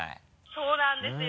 そうなんですよ。